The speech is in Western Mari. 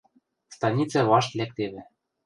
Станица вашт лӓктевӹ.